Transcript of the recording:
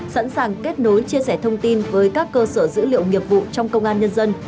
sẵn sàng kết nối chia sẻ thông tin với các cơ sở dữ liệu nghiệp vụ trong công an nhân dân